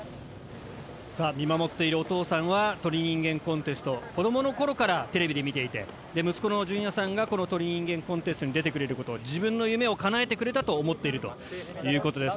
さあ見守っているお父さんは『鳥人間コンテスト』子どもの頃からテレビで見ていて息子の純也さんがこの『鳥人間コンテスト』に出てくれること自分の夢を叶えてくれたと思っているということです。